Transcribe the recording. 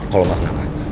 kalau nggak kenapa